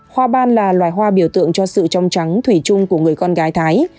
hoa ban là loài hoa biểu tượng cho sự trong trắng thủy chung của người con gái thái